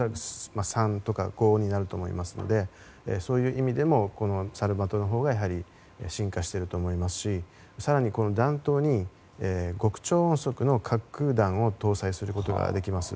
３とか５になると思いますのでそういう意味でもサルマトのほうが進化していると思いますし更に、この弾頭に極超音速の滑空弾を搭載することができます。